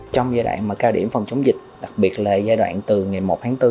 trong giai đoạn mà cao điểm phòng chống dịch đặc biệt là giai đoạn từ ngày một tháng bốn